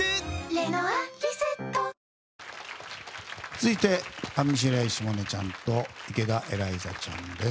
続いて、上白石萌音ちゃんと池田エライザちゃんです。